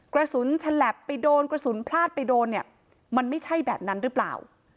ฉลับไปโดนกระสุนพลาดไปโดนเนี่ยมันไม่ใช่แบบนั้นหรือเปล่า